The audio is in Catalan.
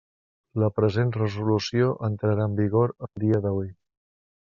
La present resolució entrarà en vigor el dia de hui.